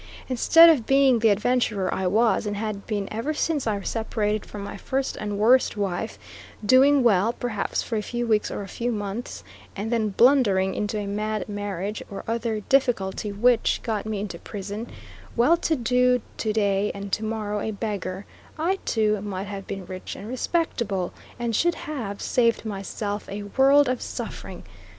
Instead of being the adventurer I was, and had been ever since I separated from my first and worst wife doing well, perhaps, for a few weeks or a few months, and then blundering into a mad marriage or other difficulty which got me into prison; well to do to day and to morrow a beggar I, too, might have been rich and respectable, and should have, saved myself a world of suffering.